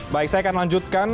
baik saya akan lanjutkan